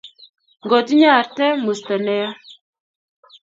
Ngotinye arte musto ne ya